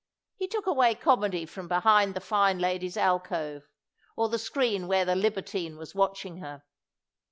He took away comedy from behind the fine lady's alcove, or the screen where the liber tine was watching her.